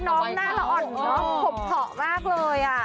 น้องหน้าเราอ่อนหกเผาะมากเลย